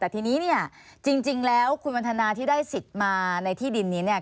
แต่ทีนี้เนี่ยจริงแล้วคุณวันทนาที่ได้สิทธิ์มาในที่ดินนี้เนี่ย